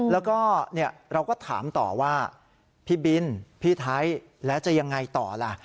แล้วก็เราก็ถามต่อว่าพี่บินพี่ไทยแล้วจะยังไงต่อล่ะ